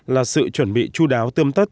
là sự chuẩn bị chú đáo tươm tất